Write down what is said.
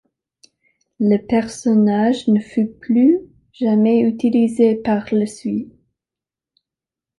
Le personnage ne fut plus jamais utilisé par la suite.